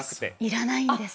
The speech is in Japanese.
要らないんです。